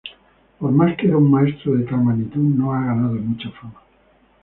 Por más que era un maestro de tal magnitud, no ha ganado mucha fama.